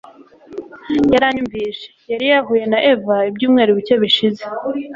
yaranyumvise. yari yarahuye na eva ibyumweru bike bishize